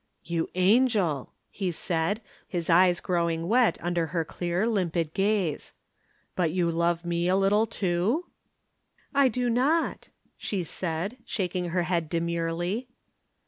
"You angel!" he said, his eyes growing wet under her clear, limpid gaze. "But you love me a little, too?" "I do not," she said, shaking her head demurely.